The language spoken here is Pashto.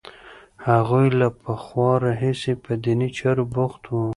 هغوی له پخوا راهیسې په دیني چارو بوخت وو.